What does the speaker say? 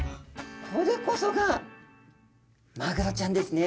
これこそがマグロちゃんですね。